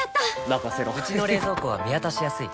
うちの冷蔵庫は見渡しやすい